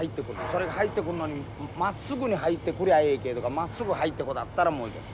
それが入ってくんのにまっすぐに入ってくりゃええけどまっすぐ入ってこなかったらもういけん。